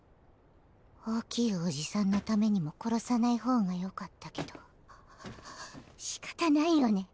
大きいおじさんのためにも殺さないほうがよかったけど仕方ないよね。